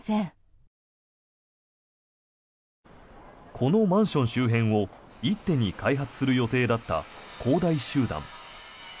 このマンション周辺を一手に開発する予定だった恒大集団。